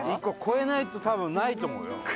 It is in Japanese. １個越えないと多分ないと思うよ。